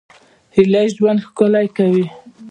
هیلې ژوند ښکلی کوي